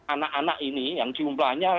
anak anak ini yang jumlahnya